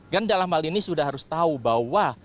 dan dalam hal ini sudah harus tahu bahwa